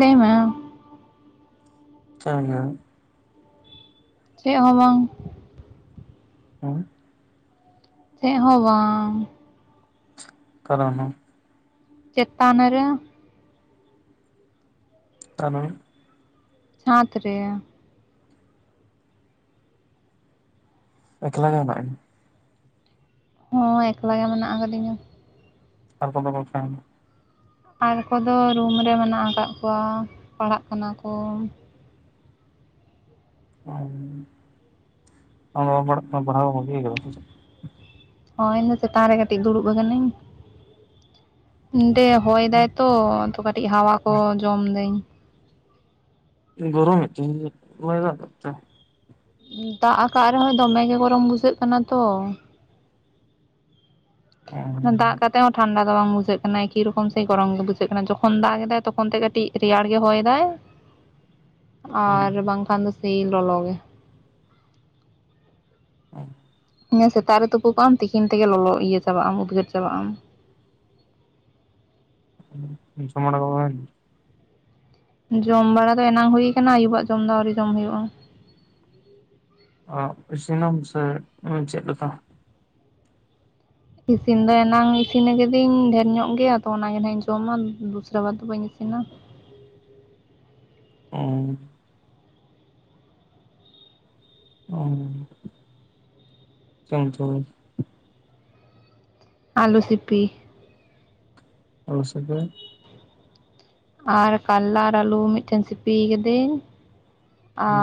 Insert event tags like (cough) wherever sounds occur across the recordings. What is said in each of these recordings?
ᱞᱟᱹᱭ ᱢᱮ ᱾ (inaudible) ᱪᱮᱫ ᱦᱚᱸ ᱵᱟᱝ ᱾ ᱦᱮᱸ ᱾ ᱪᱮᱫ ᱦᱚᱸ ᱵᱟᱝ ᱾ ᱚᱠᱟᱨᱮ ᱢᱮᱱᱟ ᱢᱟ? ᱪᱮᱛᱟᱱ ᱨᱮ ᱾ ᱦᱮᱞᱳ ᱾ ᱪᱷᱟᱸᱫ ᱨᱮ ᱾ ᱮᱠᱞᱟ ᱜᱮ ᱢᱮᱱᱟᱜ ᱢᱮᱭᱟ? ᱦᱳᱭ ᱮᱠᱞᱟ ᱜᱮ ᱢᱮᱱᱟᱜ ᱟᱠᱟᱫᱤᱧᱟ ᱾ ᱟᱨ ᱠᱚᱫᱚ ᱠᱚ ᱚᱠᱟᱭ ᱱᱟ? ᱟᱨ ᱠᱚᱫᱚ ᱨᱩᱢ ᱨᱮ ᱢᱮᱱᱟᱜ ᱟᱠᱟᱫ ᱠᱚᱣᱟ ᱯᱟᱲᱦᱟᱜ ᱠᱟᱱᱟ ᱠᱚ ᱾ (unintelligible) ᱦᱚᱭ ᱤᱧ ᱫᱚ ᱪᱮᱛᱟᱱ ᱨᱮ ᱠᱟᱹᱴᱤᱡ ᱫᱩᱲᱩᱵ ᱟᱠᱟᱱᱟᱹᱧ ᱾ ᱚᱸᱰᱮ ᱦᱚᱭ ᱫᱟᱭ ᱛᱚ ᱛᱚ ᱠᱟᱹᱴᱤᱡ ᱦᱟᱣᱟ ᱠᱚ ᱡᱚᱢ ᱫᱟᱹᱧ ᱾ ᱜᱚᱨᱚᱢ ᱮᱫ ᱛᱮᱦᱮᱧ ᱫᱚ ᱵᱟᱭ ᱫᱟᱜ ᱠᱟᱫ ᱼᱛᱮ ᱾ ᱫᱟᱜ ᱟᱠᱟᱫ ᱨᱮᱦᱚᱸ ᱫᱚᱢᱮ ᱜᱮ ᱜᱚᱨᱚᱢ ᱵᱩᱡᱷᱟᱹᱜ ᱠᱟᱱᱟ ᱛᱚ ᱾ ᱦᱮᱸ ᱾ ᱫᱟᱜ ᱠᱟᱛᱮ ᱦᱚᱸ ᱴᱷᱟᱱᱰᱟ ᱫᱚ ᱵᱟᱝ ᱵᱩᱡᱷᱟᱹᱜ ᱠᱟᱱᱟ, ᱮᱠᱤ ᱨᱚᱠᱚᱢ ᱥᱮ ᱜᱚᱨᱚᱢ ᱜᱮ ᱵᱩᱡᱷᱟᱹᱜ ᱠᱟᱱᱟ ᱾ ᱡᱚᱠᱷᱚᱱ ᱫᱟᱜ ᱮᱫᱟᱭ ᱛᱚᱠᱷᱚᱱ ᱛᱮ ᱠᱟᱹᱴᱤᱡ ᱾ ᱨᱮᱭᱟᱲ ᱜᱮ ᱦᱚᱭ ᱮᱫᱟᱭ ᱾ (inaudible) ᱟᱨ ᱵᱟᱝ ᱠᱷᱟᱱ ᱫᱚ ᱥᱮᱭ ᱞᱚᱞᱚ ᱜᱮ ᱾ (inaudible) ᱤᱱᱟᱹ ᱥᱮᱛᱟᱜ ᱨᱮ ᱛᱩᱯᱩ ᱠᱚᱜᱼᱟᱢ ᱛᱤᱠᱤᱱ ᱛᱮᱜᱮ ᱞᱚᱞᱚ ᱤᱭᱟᱹ ᱪᱟᱵᱟᱜ ᱟᱢ ᱩᱫᱽᱜᱟᱹᱨ ᱪᱟᱵᱟᱜ ᱟᱢ ᱾ ᱦᱩᱸ, ᱡᱚᱢ ᱵᱟᱲᱟ ᱦᱩᱭ ᱮᱱᱟ? ᱡᱚᱢ ᱵᱟᱲᱟ ᱫᱚ ᱮᱱᱟᱝ ᱦᱩᱭ ᱟᱠᱟᱱ, ᱟᱭᱩᱵᱟᱜ ᱡᱚᱢ ᱫᱚ ᱟᱹᱣᱨᱤ ᱡᱚᱢ ᱦᱩᱭᱩᱜᱼᱟ ᱾ ᱚ, ᱤᱥᱤᱱ ᱟᱢ ᱥᱮ ᱪᱮᱫ ᱞᱮᱠᱟ? ᱤᱥᱤᱱ ᱫᱚ ᱮᱱᱟᱝ ᱤᱥᱤᱱ ᱠᱤᱫᱟᱹᱧ ᱰᱷᱮᱨ ᱧᱚᱜ ᱜᱮ ᱟᱫᱚ ᱚᱱᱟ ᱜᱮ ᱱᱟᱜ ᱤᱧ ᱡᱚᱢᱟ ᱫᱩᱥᱨᱟ ᱵᱟᱨ ᱫᱚ ᱵᱟᱹᱧ ᱤᱥᱤᱱᱼᱟ ᱾ ᱚᱸ᱾ ᱚ, ᱪᱮᱫ ᱩᱛᱩ (unintelligible) ᱟᱞᱩ ᱥᱤᱯᱤ ᱾ ᱟᱞᱩ ᱥᱤᱯᱤ ᱾ ᱟᱨ ᱠᱟᱞᱞᱟ ᱟᱨ ᱟᱞᱩ ᱢᱤᱫᱴᱮᱱ ᱥᱤᱯᱤ ᱠᱟᱹᱫᱟᱹᱧ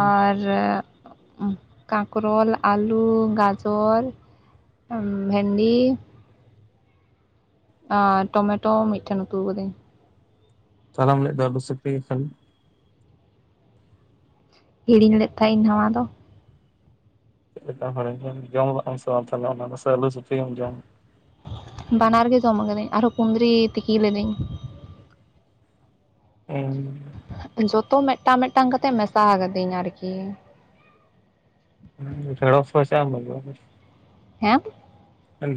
ᱟᱨ (unintelligible) ᱠᱟᱠᱨᱳᱞ, ᱟᱞᱩ, ᱜᱟᱡᱚᱨ ᱵᱷᱮᱱᱰᱤ, ᱟᱨ ᱴᱚᱢᱮᱴᱳ ᱢᱤᱫᱴᱷᱮᱱ ᱩᱛᱩ ᱟᱠᱟᱫᱟᱹᱧ ᱾ ᱛᱟᱦᱚᱞᱮᱢ ᱞᱟᱹᱭᱮᱫ ᱫᱚ ᱟᱞᱩ ᱥᱤᱯᱤ ᱮᱠᱷᱮᱱ ᱾ ᱦᱤᱲᱤᱧ ᱞᱮᱫ ᱛᱟᱦᱮᱸ ᱤᱧ ᱱᱚᱣᱟ ᱫᱚ ᱾ ᱪᱮᱫ ᱞᱮᱠᱟᱢ ᱦᱤᱲᱤᱧ ᱞᱮᱜᱼᱟ ᱡᱚᱢ ᱠᱮᱜᱼᱟᱢ ᱥᱮ ᱵᱟᱝ ᱛᱟᱦᱚᱞᱮ ᱚᱱᱟ ᱫᱚ ᱥᱮ ᱟᱞᱩ ᱥᱩᱯᱤᱢ ᱡᱚᱢ? ᱵᱟᱱᱟᱨ ᱜᱮ ᱡᱚᱢ ᱠᱟᱹᱫᱟᱹᱧ ᱟᱨᱦᱚᱸ ᱠᱩᱸᱫᱽᱨᱤ ᱛᱤᱠᱤ ᱞᱤᱫᱟᱹᱧ ᱾ (unintelligible) ᱡᱚᱛᱚ ᱢᱤᱫᱴᱟᱝ ᱢᱤᱫᱴᱟᱝ ᱠᱟᱛᱮ ᱢᱮᱥᱟ ᱠᱟᱹᱫᱤᱧ ᱟᱨᱠᱤ ᱾ ᱵᱷᱮᱲᱚᱥ ᱯᱚᱭᱥᱟᱹ ᱮᱢ ᱦᱩᱭᱩᱜᱼᱟ ᱾ ᱦᱮᱸ?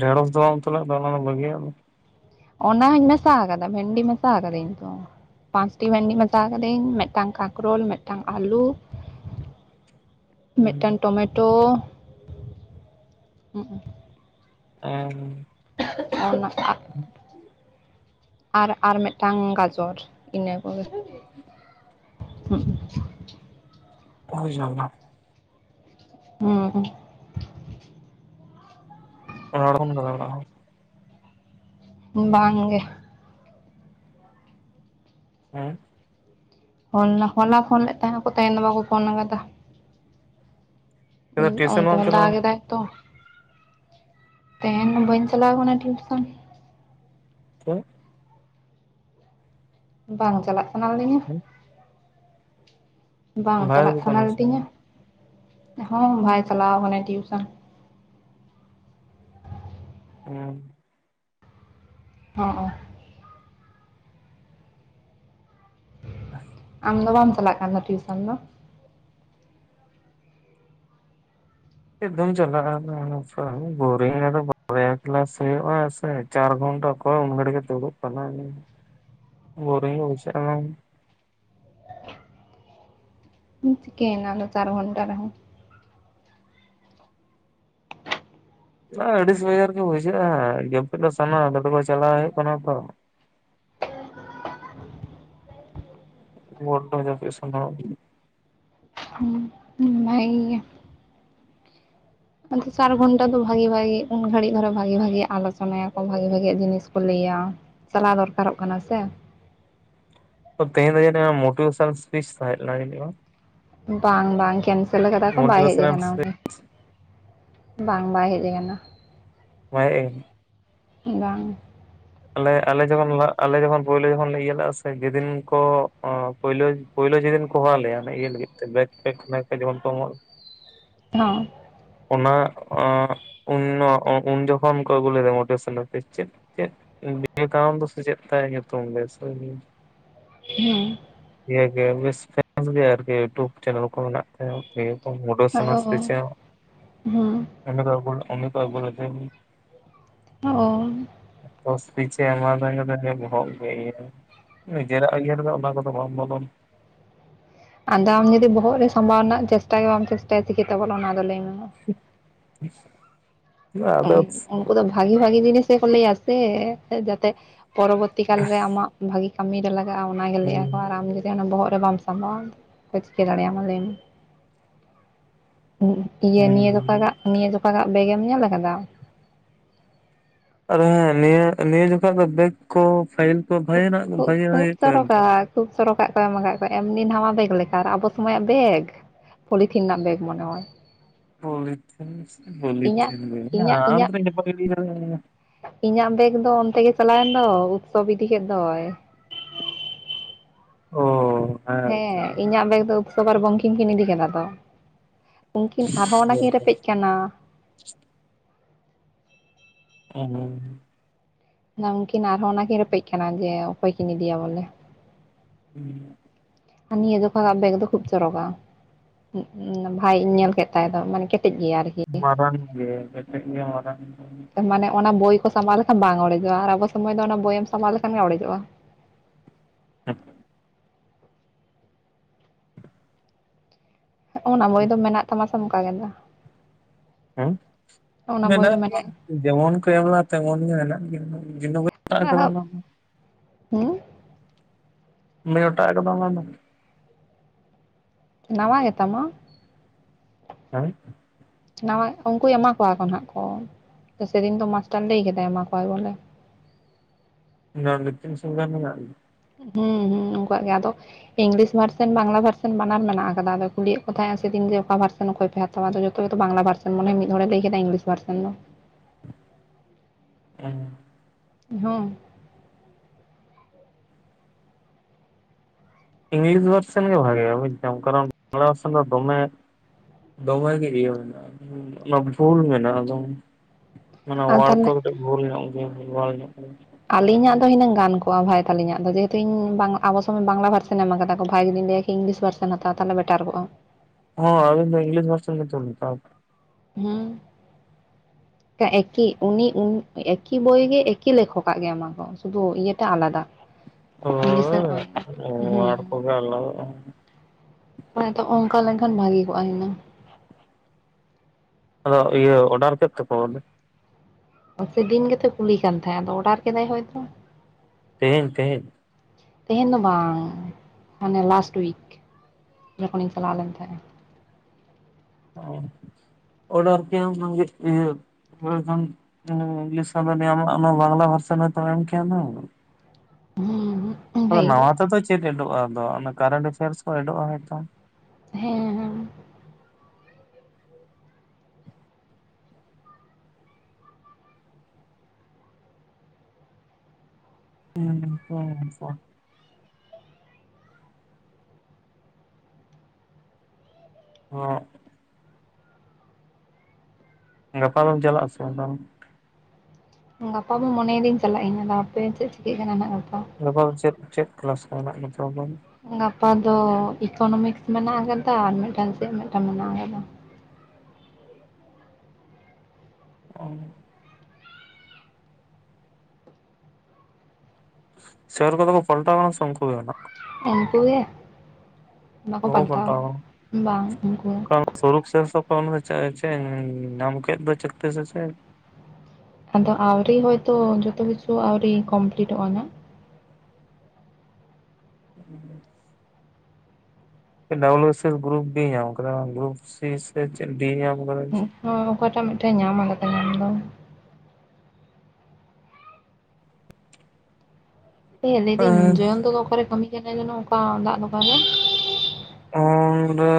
ᱰᱷᱮᱲᱚᱥ ᱫᱚ ᱵᱟᱢ ᱩᱛᱩ ᱞᱮᱫ ᱫᱚ ᱚᱱᱟ ᱫᱚ ᱵᱟᱜᱤᱭᱟᱜ ᱫᱚ ᱾ ᱚᱱᱟ ᱦᱚᱧ ᱢᱮᱥᱟ ᱟᱠᱟᱫᱟ, ᱵᱷᱮᱱᱰᱤ ᱢᱮᱥᱟ ᱟᱠᱟᱫᱟᱹᱧ ᱛᱚ ᱾ ᱯᱟᱸᱪᱴᱤ ᱵᱷᱮᱱᱰᱤ ᱢᱮᱥᱟᱣ ᱠᱟᱹᱫᱟᱹᱧ ᱢᱤᱫᱴᱟᱝ ᱠᱟᱠᱨᱳᱞ, ᱢᱤᱫᱴᱟᱝ ᱟᱹᱞᱩ ᱾ (inaudible) ᱢᱤᱫᱴᱟᱝ ᱴᱚᱢᱮᱴᱳ ᱾ ᱚ ᱾ (unintelligible) (inaudible) ᱟᱨ ᱟᱨ ᱢᱤᱫᱴᱟᱝ ᱜᱟᱡᱚᱨ ᱤᱱᱟᱹ ᱠᱚᱜᱮ᱾ (unintelligible) ᱦᱳᱭ ᱡᱚᱢ (unintelligible) ᱦᱩᱸ᱾ ᱨᱚᱲ (inaudible) ᱵᱟᱝ ᱜᱮ ᱾ ᱦᱮᱸ? ᱦᱚᱞᱟᱼᱦᱚᱞᱟ ᱯᱷᱚᱱ ᱞᱮᱫ ᱛᱟᱦᱮᱸᱱᱟ, ᱠᱚ ᱛᱟᱦᱮᱸᱱ ᱵᱟᱠᱚ ᱯᱷᱚᱱ ᱟᱠᱟᱫᱟ ᱴᱤᱭᱩᱥᱚᱱ ᱚᱱᱛᱮ ᱵᱟᱢ ᱦᱚᱸ ᱪᱟᱞᱟᱣ ᱫᱟᱜ ᱠᱮᱫᱟᱭ ᱛᱚ ᱾ ᱛᱮᱦᱮᱧ ᱵᱟᱹᱧ ᱪᱟᱞᱟᱣ ᱟᱠᱟᱱᱟ ᱴᱤ (inaudible) ᱪᱮ ᱵᱟᱝ ᱪᱟᱞᱟᱜ ᱥᱟᱱᱟ ᱞᱤᱧᱟ ᱵᱟᱝ ᱵᱷᱟᱜᱮ ᱪᱟᱞᱟᱜ ᱜᱮ ᱥᱟᱱᱟ ᱠᱟᱱᱟ ᱥᱮ ᱞᱤᱫᱤᱧᱟ ᱦᱚᱸ ᱵᱟᱭ ᱪᱟᱞᱟᱣ ᱟᱠᱟᱱᱟ ᱴᱤᱭᱩᱥᱚᱱ ᱦᱮᱸ ᱦᱚᱸᱜᱼᱚ (unintelligible) ᱟᱢ ᱫᱚ ᱵᱟᱢ ᱪᱟᱞᱟᱜ ᱠᱟᱱᱟ ᱴᱤᱭᱩᱥᱚᱱ ᱫᱚ ᱪᱮᱫ ᱫᱚᱢ ᱪᱟᱞᱟᱜᱼᱟ ᱱᱚᱜᱼᱱᱚᱝᱠᱟ ᱵᱳᱨᱤᱝ ᱟᱫᱚ ᱵᱚᱨᱤᱝ ᱠᱮᱞᱟᱥ ᱦᱩᱭᱩᱜᱼᱟ ᱥᱮ ᱪᱟᱨ ᱜᱷᱟᱱᱴᱟ ᱚᱠᱚᱭ ᱩᱱ ᱜᱟᱹᱲᱤᱠ ᱮ ᱫᱩᱲᱩᱜ ᱥᱟᱱᱟ ᱮᱭᱟ ᱵᱳᱨᱤᱝ ᱜᱮ ᱵᱩᱡᱷᱟᱜᱼᱟ ᱪᱤᱠᱟᱹ ᱮᱱᱟ ᱟᱫᱚ ᱪᱟᱨ ᱜᱷᱚᱱᱴᱟ ᱨᱮᱦᱚᱸ ᱟᱹᱲᱤᱥ ᱵᱮᱡᱟᱨ ᱜᱮ ᱵᱩᱡᱷᱟᱹᱜᱼᱟ ᱡᱟᱹᱯᱤᱫ ᱫᱚ ᱥᱟᱱᱟ ᱦᱟ ᱱᱚᱰᱮ ᱢᱟ ᱡᱟᱞᱟ ᱦᱩᱭᱩᱜ ᱠᱟᱱᱟ ᱛᱚ ᱠᱚᱰᱟ ᱡᱟᱹᱯᱤᱫ ᱥᱟᱱᱟ ᱦᱩᱸ ᱵᱷᱟᱹᱜᱤ ᱜᱮ ᱟᱫᱚ ᱪᱟᱨ ᱜᱷᱚᱱᱴᱟ ᱫᱚ ᱵᱷᱟᱜᱤ ᱵᱷᱟᱜᱤ ᱩᱱ ᱜᱷᱟᱹᱲᱤᱡ ᱫᱷᱚᱨᱟ ᱵᱷᱟᱜᱤ ᱵᱷᱟᱜᱤ ᱟᱞᱳᱪᱚᱱᱟ ᱭᱟᱠᱚ ᱵᱷᱟᱜᱤ ᱵᱷᱟᱜᱤ ᱡᱤᱱᱤᱥ ᱠᱚ ᱞᱟᱹᱭᱟ ᱪᱟᱞᱟᱣ ᱫᱚᱨᱠᱟᱨᱚᱜ ᱠᱟᱱᱟ ᱥᱮ ᱛᱮᱦᱮᱧ ᱫᱚ ᱡᱟᱹᱱᱤᱡ ᱢᱳᱴᱤᱵᱷᱮᱥᱚᱱ ᱮᱥᱯᱤᱥ ᱛᱟᱦᱮᱸ ᱛᱟᱦᱮ ᱞᱮᱱᱟ ᱡᱟᱹᱱᱤᱡ ᱵᱟᱝ ᱵᱟᱝ ᱵᱟᱝ ᱠᱮᱱᱥᱮᱞ ᱟᱠᱟᱫᱟ ᱠᱚ ᱵᱟᱭ ᱦᱮᱡ ᱢᱳᱴᱤᱵᱷᱮᱥᱚᱱᱟᱞ ᱟᱠᱟᱱᱟ ᱥᱯᱤᱪ ᱩᱱᱤ ᱵᱟᱝ ᱵᱟᱭ ᱦᱮᱡ ᱟᱠᱟᱱᱟ ᱵᱟᱭ ᱦᱮᱡ ᱵᱟᱝ ᱟᱞᱮ ᱟᱞᱮ ᱡᱚᱠᱷᱚᱱ ᱟᱞᱮ ᱡᱚᱠᱷᱚᱱ ᱯᱳᱭᱞᱳ ᱡᱚᱠᱷᱚᱱ ᱞᱮ ᱤᱭᱟᱹ ᱞᱮᱜᱼᱟ ᱥᱮ ᱡᱮᱫᱤᱱ ᱠᱚ ᱯᱳᱭᱞᱳ ᱯᱳᱭᱞᱳ ᱡᱮᱫᱤᱱ ᱠᱚ ᱦᱚᱦᱚ ᱟᱜ ᱞᱮᱭᱟ ᱚᱱᱟ ᱤᱭᱟᱹ ᱞᱟᱹᱜᱤᱫ ᱛᱮ ᱵᱮᱜ ᱴᱮᱠᱥᱴ ᱡᱮᱢᱚᱱ᱾ (unintelligible) ᱚᱱᱟ ᱩᱱ ᱩᱱ ᱡᱚᱠᱷᱚᱱ ᱠᱚ ᱟᱹᱜᱩ ᱞᱮᱫᱮᱭᱟ ᱢᱚᱴᱮ ᱯᱷᱚᱱᱰᱮᱥᱟᱱ ᱥᱮ ᱪᱮᱫ ᱪᱮᱫ ᱵᱤᱵᱮᱠᱟᱱᱟᱱᱫ ᱥᱮ ᱪᱮᱫ ᱛᱟᱭ ᱧᱩᱛᱩᱢ ᱜᱮ ᱦᱮᱸ ᱤᱭᱟᱹ ᱜᱮ ᱵᱮᱥ ᱜᱮ ᱟᱨ ᱠᱤ ᱭᱩᱴᱩᱵᱽ ᱪᱮᱱᱮᱞ ᱠᱚ ᱢᱮᱱᱟᱜᱼᱟ ᱢᱩᱰᱟᱹ ᱥᱚᱱᱚᱥ ᱦᱩᱸ ᱦᱩᱸ (unintelligible) (unintelligible) ᱚ ᱫᱚᱥ ᱯᱤᱪᱷᱤ ᱮᱢᱟ ᱟᱫᱟ ᱮᱜᱟᱛᱮ ᱵᱚᱦᱚᱜ ᱜᱮ ᱤᱭᱟᱹ ᱱᱤᱡᱮᱨᱟᱜ ᱤᱭᱟᱹ ᱨᱮ ᱫᱚ ᱚᱱᱟ ᱫᱚ ᱛᱚ ᱵᱟᱢ ᱵᱚᱞᱚᱱ ᱟᱫᱚ ᱟᱢ ᱡᱩᱫᱤ ᱵᱚᱦᱚᱜ ᱨᱮ ᱥᱟᱢᱵᱟᱣ ᱨᱮᱱᱟᱜ ᱪᱮᱥᱴᱟ ᱜᱮ ᱵᱟᱢ ᱪᱮᱥᱴᱟᱭᱟ ᱪᱤᱠᱟᱹ ᱛᱮ ᱵᱚᱞᱚᱱᱟ ᱟᱫᱚ ᱞᱟᱹᱭ ᱢᱮ ᱢᱟ (unintelligible) ᱟᱫᱚ ᱩᱱᱠᱩ ᱫᱚ ᱵᱷᱟᱜᱤ ᱵᱷᱟᱜᱤ ᱡᱤᱱᱤᱥ ᱜᱮ ᱠᱚ ᱞᱟᱹᱭ ᱟᱥᱮ ᱡᱮᱛᱮ ᱯᱚᱨᱚᱵᱚᱨᱛᱤ ᱠᱟᱞ ᱨᱮ ᱟᱢᱟᱜ ᱵᱷᱟᱜᱤ ᱠᱟᱹᱢᱤ ᱨᱮ ᱞᱟᱜᱟᱜᱼᱟ ᱚᱱᱟᱜᱮ ᱞᱟᱹᱭ ᱦᱩᱸ ᱟᱠᱚ ᱟᱨ ᱟᱢ ᱡᱮ ᱪᱮᱫ ᱦᱚᱸ ᱵᱚᱦᱚᱜ ᱨᱮ ᱵᱟᱢ ᱥᱟᱢᱵᱟᱣᱟ ᱚᱠᱟᱭ ᱪᱤᱠᱟᱹ ᱫᱟᱲᱮ ᱟᱢᱟ ᱞᱟᱹᱭ ᱢᱮ ᱤᱭᱟᱹ ᱱᱤᱭᱟᱹ ᱦᱮᱸ ᱡᱚᱠᱟᱜᱟᱜ ᱱᱤᱭᱟᱹ ᱡᱚᱠᱟᱜᱟᱜ ᱵᱮᱜᱽ ᱮᱢ ᱧᱮᱞ ᱠᱟᱫᱟ ᱟᱨ ᱦᱮᱸ ᱱᱤᱭᱟᱹ ᱱᱤᱭᱟᱹ ᱡᱟᱠᱷᱚᱡ ᱫᱚ ᱵᱮᱜᱽ ᱠᱚ ᱯᱷᱟᱭᱤᱞ ᱠᱚ ᱵᱷᱟᱜᱮ ᱠᱷᱩᱵ ᱵᱷᱟᱜᱮ ᱠᱷᱩᱵ ᱦᱩᱭᱩᱜ ᱠᱟᱱ ᱛᱟᱦᱮᱫ ᱪᱚᱨᱚᱠᱟ ᱠᱷᱩᱵ ᱪᱚᱨᱚᱠᱟᱜ ᱠᱚ ᱮᱢ ᱟᱠᱟᱫ ᱠᱚᱣᱟ ᱮᱢᱱᱤ ᱱᱟᱣᱟ ᱵᱮᱜᱽ ᱞᱮᱠᱟ ᱟᱨ ᱟᱵᱚ ᱥᱚᱢᱚᱭᱟᱜ ᱵᱮᱜᱽ ᱯᱚᱞᱤᱛᱷᱤᱱ ᱨᱮᱱᱟᱜ ᱵᱮᱜᱽ ᱢᱚᱱᱮ ᱦᱚᱭ ᱾ ᱯᱚᱞᱤᱛᱷᱤᱝ, ᱤᱧᱟᱹᱜ ᱯᱚᱞᱤᱛᱷᱤᱝ ᱜᱮ ᱟᱢ ᱴᱷᱮᱱ ᱡᱚᱛᱚ ᱯᱮ ᱤᱫᱤ ᱠᱟᱫᱟ (unintelligible) ᱾ ᱤᱧᱟᱜ ᱵᱮᱜᱽ ᱫᱚ ᱚᱱᱛᱮ ᱜᱮ ᱪᱟᱞᱟᱣᱮᱱ ᱫᱚ ᱩᱛᱥᱚᱵᱽ ᱤᱫᱤ ᱠᱮᱫ ᱫᱚᱭ ᱾ ᱚᱻ ᱾ ᱦᱮᱸ ᱤᱧᱟᱜ ᱵᱮᱜᱽ ᱫᱚ ᱩᱛᱥᱚᱵᱽ ᱟᱨ ᱵᱚᱝᱠᱷᱤᱢ ᱠᱤᱱ ᱤᱫᱤ ᱠᱮᱫᱟ ᱛᱚ ᱾ ᱩᱝᱠᱤᱱ ᱟᱨᱦᱚᱸ ᱚᱱᱟ ᱦᱳᱭ ᱠᱤᱱ ᱨᱮᱯᱮᱡ ᱠᱟᱱᱟ ᱾ ᱩᱸ ᱦᱩᱸ ᱾ ᱩᱝᱠᱤᱱ ᱟᱨᱦᱚᱸ ᱚᱱᱟᱠᱤᱱ ᱨᱮᱯᱮᱡ ᱠᱟᱱᱟ ᱡᱮ ᱚᱠᱚᱭ ᱠᱤᱱ ᱤᱫᱤᱭᱟ ᱵᱚᱞᱮ ᱾ ᱩᱦ ᱾ ᱟᱨ ᱱᱤᱭᱟᱹ ᱡᱚᱠᱷᱟ ᱟᱜ ᱵᱮᱜᱽ ᱫᱚ ᱠᱷᱩᱵᱽ ᱪᱚᱨᱚᱠᱟ ᱾ ᱩᱷ, ᱵᱷᱟᱭᱤᱧ ᱧᱮᱞ ᱠᱮᱫ ᱛᱟᱭ ᱫᱚ ᱢᱟᱱᱮ ᱠᱮᱴᱮᱡ ᱜᱮᱭᱟ ᱟᱨ ᱢᱟᱨᱟᱝ ᱜᱮ ᱠᱮᱴᱮᱡ ᱜᱮ ᱢᱟᱨᱟᱝ ᱾ ᱢᱟᱱᱮ ᱚᱱᱟ ᱵᱳᱭ ᱜ ᱥᱟᱸᱵᱟᱣ ᱞᱮᱠᱷᱟᱱ ᱵᱟᱝ ᱚᱲᱮᱡᱚᱜ-ᱟ ᱟᱨ ᱟᱵᱚ ᱥᱚᱢᱚᱭ ᱫᱚ ᱚᱱᱟ ᱵᱳᱭᱮᱢ ᱥᱟᱸᱵᱟᱣ ᱞᱮᱠᱷᱟᱱ ᱜᱮ ᱚᱲᱮᱡᱚᱜ-ᱟ ᱾ ᱦᱮᱸ ᱾ ᱚᱱᱟ ᱵᱳᱭ ᱫᱚ ᱢᱮᱱᱟᱜ ᱛᱟᱢᱟ ᱥᱮ ᱚᱠᱟ ᱠᱮᱫᱟ? ᱦᱮᱸᱷ, ᱚᱱᱟ ᱵᱳᱭ ᱢᱮᱱᱟᱜ ᱫᱚ ᱜᱮᱭᱟ ᱡᱮᱢᱚᱱ ᱠᱚ ᱮᱢ ᱞᱟᱜ ᱟ ᱛᱮᱢᱚᱱ ᱜᱮ ᱢᱮᱱᱟᱜ ᱜᱮᱭᱟ᱾ ᱟᱜ ᱠᱟᱫᱟᱢ ᱟᱢ ᱫᱚ ᱾ ᱦᱩᱸ ᱾ ᱵᱟᱹᱧ ᱚᱴᱟᱜ ᱠᱟᱫᱟ ᱟᱱᱟ ᱫᱚ ᱾ ᱱᱟᱣᱟ ᱜᱮᱛᱟᱢᱟ? ᱦᱮᱸᱷ ᱾ ᱱᱟᱣᱟ ᱩᱱᱠᱩᱭ ᱮᱢᱟ ᱠᱚᱣᱟ ᱠᱚ ᱱᱟᱦᱟᱜ ᱠᱚ ᱥᱮᱫᱤᱱ ᱫᱚ ᱢᱟᱥᱴᱟᱨ ᱞᱟᱹᱭ ᱠᱮᱫᱟᱭ ᱮᱢᱟ ᱠᱚᱣᱟᱭ ᱵᱚᱞᱮ, ᱾ ᱚᱱᱟ ᱫᱚ ᱛᱤᱱ ᱥᱚ ᱜᱨᱟᱢ ᱢᱮᱱᱟᱜ ᱾ ᱦᱩᱸ ᱦᱩᱸ ᱩᱱᱠᱩᱣᱟᱜ ᱜᱮ ᱟᱫᱚ ᱤᱝᱞᱤᱥ ᱵᱷᱟᱨᱥᱮᱱ ᱵᱟᱝᱞᱟ ᱵᱷᱟᱨᱥᱮᱱ ᱵᱟᱱᱟᱨ ᱢᱮᱱᱟᱜ ᱟᱠᱟᱫᱟ ᱟᱫᱚ ᱠᱩᱞᱤᱭᱮᱫ ᱠᱚ ᱛᱟᱦᱮᱸᱜ ᱥᱮᱹᱫᱤᱱ ᱜᱮ ᱚᱠᱟ ᱵᱷᱟᱨᱥᱮᱱ ᱚᱠᱚᱭ ᱯᱮ ᱦᱟᱛᱟᱣᱟ ᱟᱫᱚ ᱡᱚᱛᱚ ᱜᱮ ᱛᱚ ᱵᱟᱝᱞᱟ ᱵᱷᱟᱨᱥᱮᱱ ᱢᱟᱱᱮ ᱢᱤᱫ ᱦᱚᱲᱮ ᱞᱟᱹᱭ ᱠᱮᱫᱟ ᱤᱝᱞᱤᱥ ᱵᱷᱟᱨᱥᱮᱱ ᱾ ᱫᱚ ᱚᱦ ᱾ ᱮᱯ- ᱦᱚᱸ ᱾ ᱤᱝᱞᱤᱥ ᱵᱷᱟᱨᱥᱮᱱ ᱜᱮ ᱵᱷᱟᱜᱮᱹᱭᱟ ᱵᱩᱡᱽ ᱫᱟᱢ ᱠᱟᱨᱚᱱ ᱵᱟᱝᱞᱟ ᱵᱷᱟᱨᱥᱮᱱ ᱫᱚ ᱫᱚᱢᱮ ᱫᱚᱢᱮ ᱜᱮ ᱤᱭᱟᱹᱢᱮᱱᱟᱜ ᱚᱱᱟ ᱵᱷᱩᱞ ᱢᱮᱱᱟᱜ ᱟᱫᱚ ᱾ ᱢᱟᱱᱮ ᱟᱨ ᱚᱣᱟᱲ ᱠᱚ ᱛᱟᱦᱚᱞᱮ ᱠᱟᱹᱴᱤᱡ ᱵᱷᱩᱞ ᱧᱚᱜ ᱜᱮᱭᱟ ᱵᱷᱟᱞ ᱧᱚᱜ ᱜᱮᱭᱟ, ᱾ ᱟᱞᱤᱧᱟᱜ ᱫᱚ ᱦᱤᱱᱟᱹᱝ ᱜᱟᱱ ᱠᱚᱜ ᱵᱷᱟᱭ ᱛᱟᱹᱞᱤᱧᱟᱜ ᱫᱚ ᱡᱮᱹᱦᱮᱹᱛᱩ ᱤᱧ ᱟᱵᱚ ᱥᱚᱢᱚᱭ ᱵᱟᱝᱞᱟ ᱵᱷᱟᱨᱥᱮᱱ ᱧᱟᱢ ᱠᱟᱫᱟ ᱠᱚ ᱵᱷᱟᱭ ᱡᱩᱫᱤ ᱞᱟᱹᱭ ᱾ ᱤᱝᱞᱤᱥ ᱵᱷᱟᱨᱥᱮᱱ ᱦᱟᱛᱟᱣ ᱛᱟᱞᱦᱮ ᱵᱮᱴᱟᱨ ᱠᱚᱜ-ᱟ ᱾ ᱦᱚᱸ ᱟᱧᱤᱱ ᱫᱚ ᱤᱝᱞᱤᱥ ᱵᱷᱟᱨᱥᱮᱱ ᱜᱮᱛᱚ ᱞᱤᱧ ᱦᱟᱛᱟᱣ ᱾ ᱦᱩᱸᱦ ᱾ (inaudible) ᱾ ᱮᱠᱤ ᱩᱱᱤ ᱩᱱ ᱮᱠᱤ ᱵᱳᱭ ᱜᱮ ᱮᱠᱤ ᱞᱮᱠᱷᱚ ᱠᱟᱜ ᱜᱮ ᱚᱱᱟ ᱠᱚ ᱥᱩᱫᱷᱩ ᱤᱭᱟᱹᱴᱟ ᱟᱞᱟᱫᱟ ᱾ (inaudible) ᱯᱷᱟᱸᱠᱟ ᱜᱮᱭᱟ ᱾ (unintelligible) ᱦᱮᱸ ᱠᱚᱜᱮ ᱟᱞᱟᱫᱟᱜᱼᱟ ᱾ ᱚᱱᱮ ᱛᱚ ᱚᱝᱠᱟ ᱞᱮᱱ ᱠᱷᱟᱱ ᱵᱷᱟᱜᱮᱹ ᱠᱚᱜ-ᱟ ᱦᱤᱱᱟᱹ ᱟᱫᱚ ᱤᱭᱟᱹ ᱚᱰᱟᱨ ᱠᱮᱫ ᱛᱮᱠᱚ ᱵᱚᱞᱮ ᱥᱮᱹᱫᱤᱱ ᱜᱮᱛᱚᱭ ᱠᱩᱞᱤ ᱠᱟᱱ ᱛᱟᱦᱮᱸ ᱟᱫᱚ ᱚᱲᱟᱨ ᱠᱮᱫᱟᱭ ᱦᱚᱭᱛᱚ ᱾ ᱛᱮᱹᱦᱮᱹᱧ, ᱛᱮᱹᱦᱮᱹᱧ, ᱾ ᱛᱮᱹᱦᱮᱹᱧ ᱫᱚ ᱵᱟᱝ ᱢᱟᱱᱮ ᱞᱟᱻᱥᱴ ᱩᱭᱤᱠ ᱾ ᱡᱚᱠᱷᱚᱱᱤᱧ ᱪᱟᱞᱟᱣ ᱞᱮᱱ ᱛᱟᱦᱮᱸᱫ ᱚ‌ ᱚᱰᱟᱨ (unintelligible) ᱚᱱᱮ ᱠᱷᱚᱱ ᱤᱝᱞᱤᱥ ᱦᱚᱸᱵᱤᱱ ᱧᱟᱢᱟ ᱵᱟᱝᱞᱟ ᱵᱷᱟᱨᱥᱮᱱ (inaudible) ᱦᱮᱸ ᱦᱩᱸ᱾ ᱟᱫᱚ ᱵᱷᱟᱹᱜᱤ ᱠᱚ ᱱᱟᱣᱟ ᱛᱮᱫᱚ ᱪᱮᱫ ᱮᱰᱚᱜ-ᱟ ᱟᱫᱚ ᱠᱟᱨᱮᱱᱴ ᱮᱯᱷᱮᱭᱟᱨᱥ ᱠᱚ ᱩᱰᱚᱜ-ᱟ ᱦᱚᱭᱛᱚ ᱦᱮᱸ ᱦᱮᱸ᱾ (inaudible) (inaudible) ᱜᱟᱯᱟ ᱫᱚᱢ ᱪᱟᱞᱟᱜ ᱟᱥᱮ ᱵᱟᱝ ᱛᱟᱦᱚᱞᱮ? ᱜᱟᱯᱟ ᱫᱚᱝ ᱢᱚᱱᱮ ᱫᱤᱧ ᱪᱟᱞᱟᱜ ᱜᱮᱱᱟ ᱟᱫᱚ ᱦᱟᱯᱮ ᱪᱮᱫ ᱪᱤᱠᱟᱹᱜ ᱠᱟᱱᱟ ᱱᱟᱜ ᱜᱟᱯᱟ᱾ ᱜᱟᱯᱟ ᱫᱚ ᱪᱮᱫ ᱪᱮᱫ ᱠᱞᱟᱥ ᱢᱮᱱᱟᱜ (inaudible) ᱜᱟᱯᱟ ᱫᱚ ᱤᱠᱳᱱᱚᱢᱤᱠᱥ ᱢᱮᱱᱟᱜ ᱟᱠᱟᱫᱟ ᱟᱨ ᱢᱤᱫᱴᱟᱝ ᱪᱮᱫ ᱢᱤᱫᱴᱟᱝ ᱢᱮᱱᱟᱜ ᱠᱟᱫᱟ᱾ ᱚ ᱥᱮᱨ ᱠᱚᱫᱚ ᱠᱚ ᱯᱟᱞᱴᱟᱣ ᱠᱟᱱᱟ ᱥᱮ ᱩᱱᱠᱩ ᱜᱮ ᱢᱮᱱᱟᱜ ᱠᱚᱣᱟ? ᱩᱱᱠᱩ ᱜᱮ ᱵᱟᱠᱚ ᱯᱟᱞᱴᱟᱣ ᱠᱟᱱᱟ ᱵᱟᱝ ᱩᱱᱠᱩ ᱜᱮ ᱾ ᱥᱚᱨᱳᱵ ᱥᱮᱨ ᱥᱮ ᱚᱠᱚᱭ ᱪᱮ ᱪᱮ ᱧᱟᱢ ᱠᱮᱫ ᱫᱚᱭ ᱪᱟᱠᱨᱤ ᱥᱮ ᱪᱮᱫ? ᱟᱫᱚ ᱟᱹᱣᱨᱤ ᱦᱚᱭᱛᱚ ᱡᱚᱛᱚ ᱠᱤᱪᱷᱩ ᱟᱹᱣᱨᱤ ᱠᱚᱢᱯᱞᱤᱴᱚᱜ-ᱟ ᱱᱟᱜ᱾ (inaudible) ᱰᱚᱵᱞᱩ ᱥᱮᱨ ᱜᱨᱩᱯ ᱵᱤ ᱧᱟᱢ ᱠᱚᱫᱟ ᱜᱨᱩᱯ ᱥᱤ ᱪᱮᱫ ᱰᱤ ᱧᱟᱢ ᱠᱟᱫᱟ᱾ ᱦᱳᱸ ᱚᱠᱚᱭᱴᱟᱜ ᱢᱤᱫᱴᱮᱱ ᱧᱟᱢ ᱠᱟᱫᱟ ᱧᱟᱢ ᱫᱚ ᱦᱮᱸ ᱞᱟᱹᱭᱫᱟᱹᱧ ᱡᱚᱭᱚᱱᱛᱚ ᱫᱚ ᱚᱠᱟᱨᱮ ᱠᱟᱹᱢᱤ ᱠᱟᱱᱟᱭ ᱡᱮᱱᱚ ᱚᱠᱟ ᱫᱟᱜ ᱫᱚᱠᱟᱱ ᱨᱮ? ᱚᱸᱰᱮ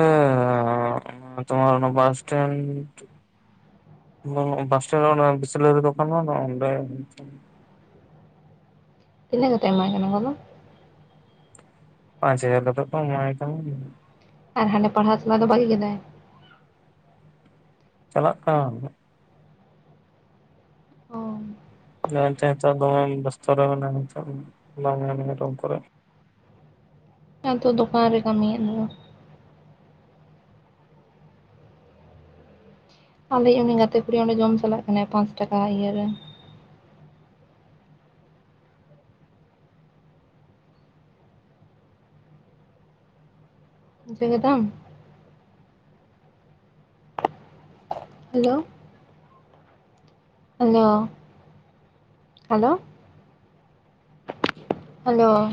ᱚᱱᱮ ᱨᱳᱢᱟᱨ ᱵᱟᱥ ᱥᱴᱮᱱᱰ᱾ ᱵᱟᱥ ᱴᱮᱱᱰ ᱚᱱᱟ ᱵᱤᱥᱞᱟᱹᱨᱤ ᱫᱚᱠᱟᱱ ᱵᱟᱝ ᱢᱮᱱᱟᱜ-ᱟ ᱚᱸᱰᱮ᱾ ᱛᱤᱱᱟᱹᱜ ᱠᱟᱛᱮ ᱮᱢᱟᱭ ᱠᱟᱱᱟ ᱠᱚ ᱟᱫᱚ ᱯᱟᱸᱪ ᱦᱟᱡᱟᱨ ᱠᱟᱛᱮ ᱠᱚ ᱮᱢᱟᱭ ᱠᱟᱱᱟ᱾ ᱟᱨ ᱦᱟᱸᱰᱮ ᱯᱟᱲᱦᱟᱣ ᱪᱟᱞᱟ ᱫᱚ ᱵᱟᱜᱤ ᱠᱮᱫᱟᱭ? ᱪᱟᱞᱟᱜ ᱠᱟᱱᱟᱭ ᱟᱸᱰᱮ ᱦᱚᱸ᱾ ᱚ (inaudible) ᱫᱚᱢᱮ (inaudible) ᱠᱚᱨᱮ ᱟᱫᱚ ᱫᱚᱠᱟᱱ ᱨᱮ ᱠᱟᱹᱢᱤᱭᱮᱫ ᱫᱚᱭ᱾ ᱟᱞᱮᱭᱤᱜ ᱩᱱᱤ ᱜᱟᱛᱮ ᱠᱩᱲᱤ ᱚᱸᱰᱮ ᱡᱚᱢ ᱪᱟᱞᱟᱜ ᱠᱟᱱᱟᱭ ᱯᱟᱸᱪ ᱴᱟᱠᱟ ᱤᱭᱟᱹᱨᱮ ᱵᱩᱡᱷᱟᱹ ᱠᱮᱫᱟᱢ? Hello hello hello. ᱦᱮᱞᱳ